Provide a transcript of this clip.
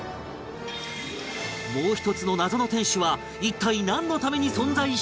もう一つの謎の天守は一体なんのために存在しているのか？